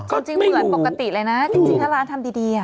จริงเหมือนปกติเลยนะจริงถ้าร้านทำดี